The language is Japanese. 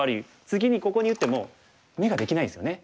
次にここに打っても眼ができないですよね。